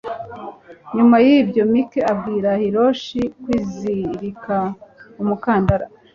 Nyuma yibyo Mike abwira Hiroshi kwizirika umukandara